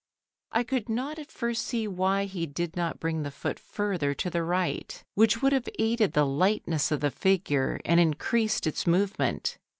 I could not at first see why he did not bring the foot further to the right, which would have aided the lightness of the figure and increased its movement.